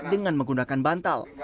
dengan menggunakan bantal